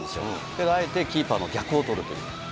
けどあえて、キーパーの逆を取るという。